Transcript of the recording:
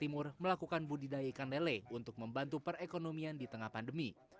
timur melakukan budidaya ikan lele untuk membantu perekonomian di tengah pandemi